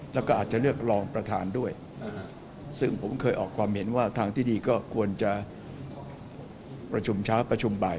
แล้วก็อาจจะเลือกรองประธานด้วยซึ่งผมเคยออกความเห็นว่าทางที่ดีก็ควรจะประชุมเช้าประชุมบ่าย